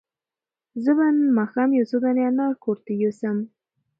زه به نن ماښام یو څو دانې انار کور ته یوسم.